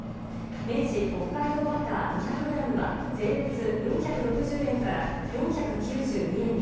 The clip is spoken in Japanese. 明治北海道バター２００ｇは税別４６０円から４９２円に。